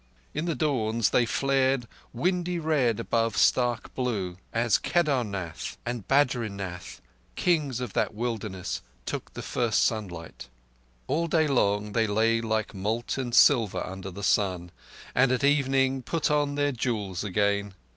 In the dawns they flared windy red above stark blue, as Kedarnath and Badrinath—kings of that wilderness—took the first sunlight. All day long they lay like molten silver under the sun, and at evening put on their jewels again.